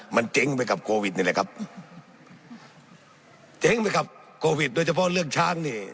มันเจ๊งไปกับโควิดนี่แหละครับเจ๊งไหมครับโควิดโดยเฉพาะเรื่องช้างนี่